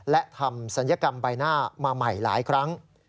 และทำศัลยกรรมใบหน้ามาใหม่หลายครั้ง